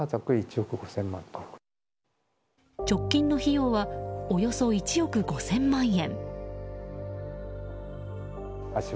直近の費用はおよそ１億５０００万円。